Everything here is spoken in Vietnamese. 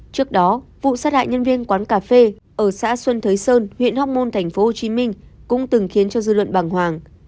trước đó vụ sát hại nhân viên quán cà phê ở xã xuân thới sơn huyện hóc môn thành phố hồ chí minh cũng từng khiến dư luận bằng hoàng